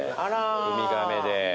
ウミガメで。